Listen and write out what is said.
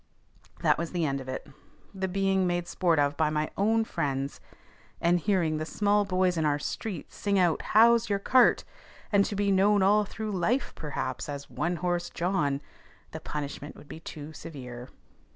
That was the end of it; the being made sport of by my own friends, and hearing the small boys in our street sing out "How's your cart?" and to be known all through life perhaps as "one horse John" the punishment would be too severe.